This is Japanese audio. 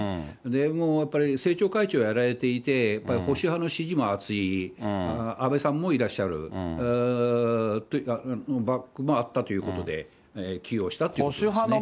でもやっぱり政調会長をやられていて、やっぱり保守派の支持も厚い、安倍さんもいらっしゃる、バックもあったということで、起用したということですね。